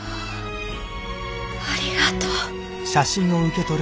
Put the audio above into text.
あありがとう！